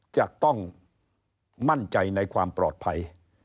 จะต้องมั่นใจในความปลอดภัย